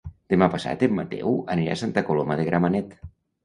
Demà passat en Mateu anirà a Santa Coloma de Gramenet.